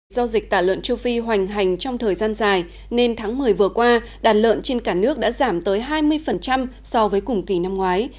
do dịch tả lợn châu phi hoành hành trong thời gian dài nên tháng một mươi vừa qua đàn lợn trên cả nước đã giảm tới hai mươi so với cùng kỳ năm ngoái